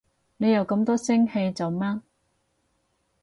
你又咁多聲氣做乜？